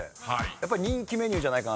やっぱり人気メニューじゃないかと思いました。